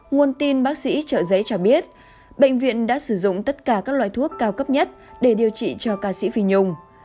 nguồn tin bác sĩ trợ giấy cho biết bệnh viện đã sử dụng tất cả các loại thuốc cao cấp nhất để điều trị cho ca sĩ phi nhung